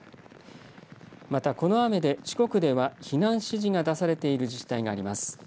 また、この雨で四国では避難指示が出されている自治体があります。